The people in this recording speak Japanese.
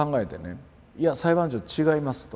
「いや裁判長違います」と。